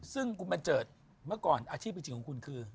ซึ่งกูมาเจอเมื่อก่อนอาชีพจริงของคุณคือ